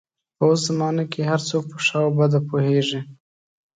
په اوس زمانه کې هر څوک په ښه او بده پوهېږي